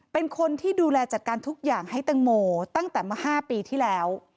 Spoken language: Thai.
เป็นคนที่ดูแลจัดการทุกอย่างให้แตงโมตั้งแต่เมื่อ๕ปีที่แล้ว